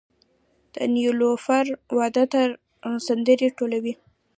د نیلوفر واده ته سندرې ټولوي